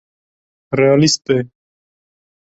Realîst be.